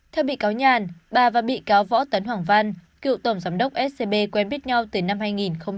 theo bị cáo nhàn bà và bị cáo võ tấn hoàng văn cựu tổng giám đốc scb quen biết nhau từ năm hai nghìn một mươi